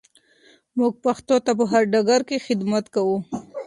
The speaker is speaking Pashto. موږ پښتو ته په هر ډګر کې خدمت کوو.